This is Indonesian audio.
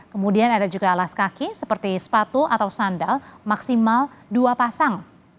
kemudian ada juga alas kaki seperti sepatu atau sandal maksimal dua pasang